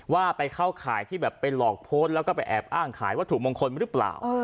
ว่าไปเข้าข่ายที่แบบไปหลอกโพสต์แล้วก็ไปแอบอ้างขายวัตถุมงคลหรือเปล่า